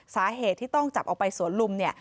สาเหตุที่ต้องจับออกไปสวนลุมเนี่ย